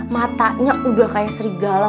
matanya udah kayak serigala